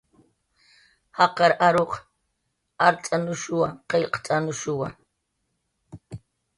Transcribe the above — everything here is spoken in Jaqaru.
Jaqar aruq art'anushuwa, qillqt'anushuwa